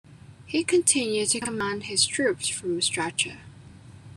He continued to command his troops from a stretcher.